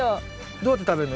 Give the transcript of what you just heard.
どうやって食べるの？